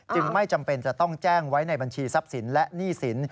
ไม่จำเป็นจะต้องแจ้งไว้ในบัญชีทรัพย์สินและหนี้สิน